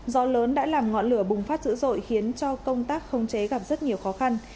gió lớn đã làm ngọn lửa bùng phát dữ dội khiến cho công tác khống chế gặp rất nhiều khó khăn